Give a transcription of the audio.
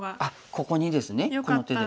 ここにですねこの手で。